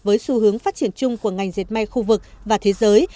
với xu hướng phát triển chung của ngành diệt mạng khu vực và thế giới